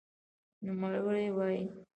نوموړې وايي